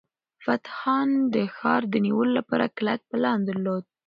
فتح خان د ښار د نیولو لپاره کلک پلان درلود.